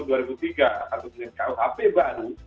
satu tahun yang kuhp baru